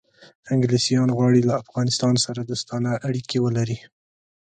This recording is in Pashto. انګلیسان غواړي له افغانستان سره دوستانه اړیکې ولري.